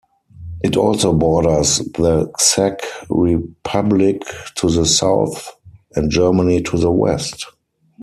It also borders the Czech Republic to the south and Germany to the west.